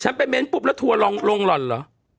ฉันไปเม้นปุ๊บแล้วทัวล่งล่องหล่อนหรอ